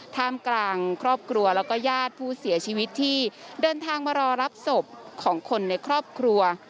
ท่ามกลางครอบครัวแล้วก็ญาติผู้เสียชีวิตที่เดินทางมารอรับศพของคนในครอบครัว